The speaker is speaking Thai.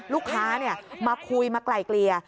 ลูกค้ามาคุยมาไกลเกลี่ย